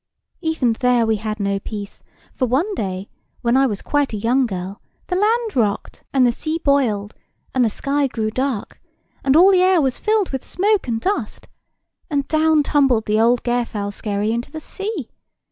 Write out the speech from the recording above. Even there we had no peace; for one day, when I was quite a young girl, the land rocked, and the sea boiled, and the sky grew dark, and all the air was filled with smoke and dust, and down tumbled the old Gairfowlskerry into the sea.